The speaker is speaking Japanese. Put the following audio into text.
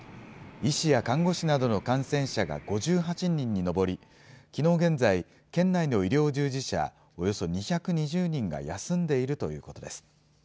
医師や看護師などの感染者が５８人に上り、きのう現在、県内の医療従事者およそ２２０人が休んでいるということです。